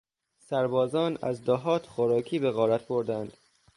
سربازان از دهات خوراک به غارت بردند.